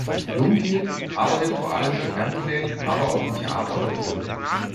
Bloomfield arbeitet vor allem für Fernsehserien, aber auch im Theater und Film.